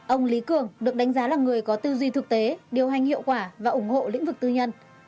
ông lý cường được đánh giá là người có tư duy thực tế điều hành hiệu quả và ủng hộ lĩnh vực tư nhân